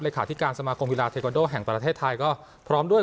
ที่การสมาคมกีฬาเทควันโดแห่งประเทศไทยก็พร้อมด้วย